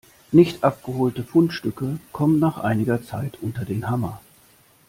Nicht abgeholte Fundstücke kommen nach einiger Zeit unter den Hammer.